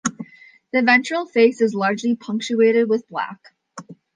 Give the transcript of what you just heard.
The ventral face is largely punctuated with black.